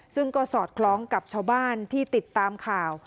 ซึ่งก็สอดคล้องกับชาวบ้านที่ติดตามข่าว